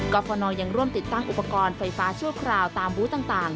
ฟนยังร่วมติดตั้งอุปกรณ์ไฟฟ้าชั่วคราวตามบูธต่าง